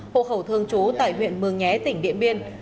hộ khẩu thương chú tại huyện mường nhé tỉnh điện biên